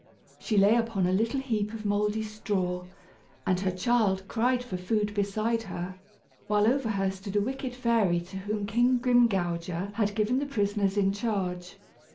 She lay upon a little heap of mouldy straw, and her child cried for food beside her, while over her stood a wicked fairy to whom King Grimgouger had given the prisoners in charge.